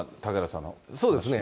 そうですね。